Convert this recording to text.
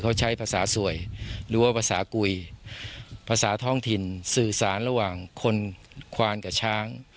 เขาใช้ภาษาสวยหรือว่าภาษากุยภาษาท้องถิ่นสื่อสารระหว่างคนควานกับช้าง